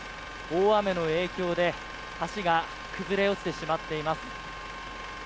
大雨の影響で橋が崩れ落ちてしまっています。